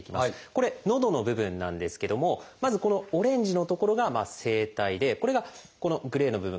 これのどの部分なんですけどもまずこのオレンジの所が声帯でこれがこのグレーの部分